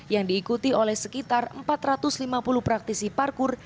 yang diikuti oleh sekitar empat ratus lima puluh praktisi parkur